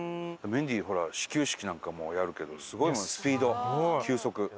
メンディーはほら始球式なんかもやるけどすごいもんスピード球速。